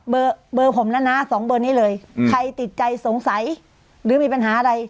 เบอร์ผมนั้นนะสองเบอร์นี้เลยใครติดใจสงสัยหรือมีปัญหาอะไร